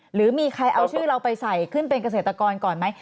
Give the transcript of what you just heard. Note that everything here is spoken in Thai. หรือมีใครเอาชื่อเราไปใส่ขึ้นเป็นเกษตรกรก่อนไหม